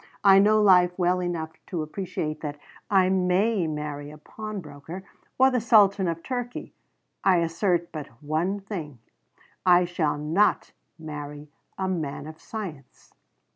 I know life well enough to appreciate that I may marry a pawnbroker or the Sultan of Turkey. I assert but one thing. I shall not marry a 'man of science.'"